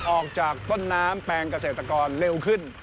ออกจากต้นน้ำแปลงเกษตรกรเร็วขึ้น